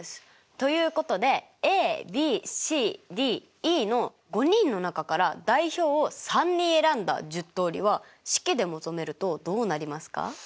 ということでＡＢＣＤＥの５人の中から代表を３人選んだ１０通りは式で求めるとどうなりますか？